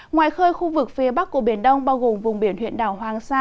ngoài khơi khu vực phía bắc của biển đông bao gồm vùng biển huyện đảo hoàng sa